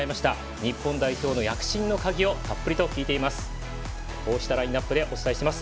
日本代表の躍進の鍵をたっぷりと聞いています。